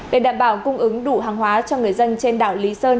để đảm bảo cung ứng đủ hàng hóa cho người dân trên đảo lý sơn